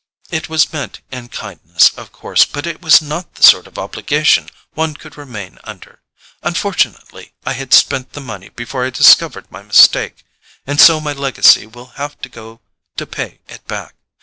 It was meant in kindness, of course; but it was not the sort of obligation one could remain under. Unfortunately I had spent the money before I discovered my mistake; and so my legacy will have to go to pay it back.